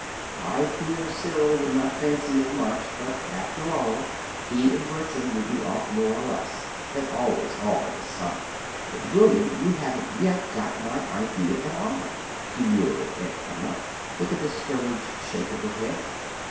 I fear Cyril would not fancy it much; but, after all, he and Bertram would be off more or less. They always are in the summer." "But, William, you haven't yet got my idea at all," demurred Aunt Hannah, with a discouraged shake of her head.